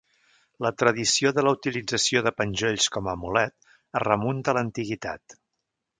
La tradició de la utilització de penjolls com a amulet es remunta a l'antiguitat.